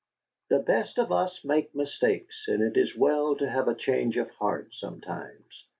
"'The best of us make mistakes, and it is well to have a change of heart sometimes.'"